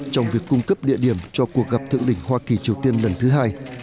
trong việc cung cấp địa điểm cho cuộc gặp thượng đỉnh hoa kỳ triều tiên lần thứ hai